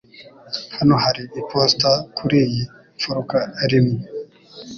Hano hari iposita kuriyi mfuruka rimwe.